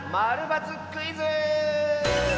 ○×クイズ」！